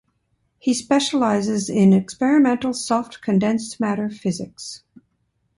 He specialises in experimental soft condensed matter physics.